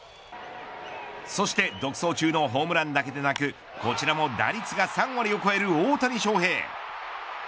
そして独走中のホームランだけでなくこちらも打率が３割を超える大谷翔平。